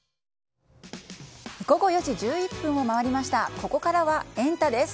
ここからはエンタ！です。